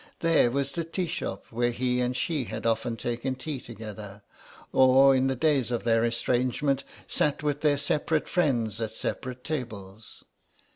There was the tea shop where he and she had often taken tea together, or, in the days of their estrangement, sat with their separate friends at separate tables.